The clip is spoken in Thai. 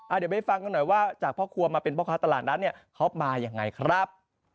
เดี๋ยวไปฟังกันหน่อยว่าจากพ่อครัวมาเป็นพ่อค้าตลาดนั้นเนี่ยเขามายังไงครับ